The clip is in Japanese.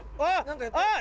あっ！